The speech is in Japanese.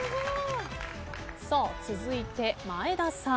さあ続いて前田さん。